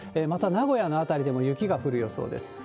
また名古屋などの辺りでも雪が降る予想です。